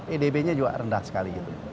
edb nya juga rendah sekali gitu